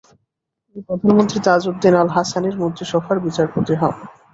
তিনি প্রধানমন্ত্রী তাজউদ্দিন আল-হাসানির মন্ত্রিসভার বিচারমন্ত্রী হন।